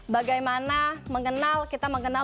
bagaimana kita mengenal